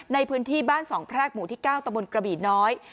ในพื้นที่บ้านสองแพรกหมู่ที่๙ตะบนกระบี่น้อย